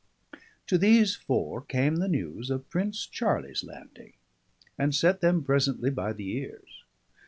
To these four came the news of Prince Charlie's landing, and set them presently by the ears.